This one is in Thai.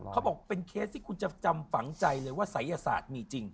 เขาบอกเป็นเคสที่คุณจะจำฝังใจเลยว่าศัยศาสตร์มีจริง